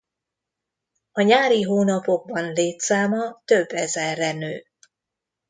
A nyári hónapokban létszáma több ezerre nő.